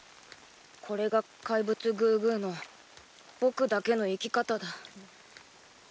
これが怪物グーグーの僕だけの生き方だ。